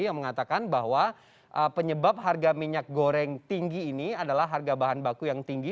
yang mengatakan bahwa penyebab harga minyak goreng tinggi ini adalah harga bahan baku yang tinggi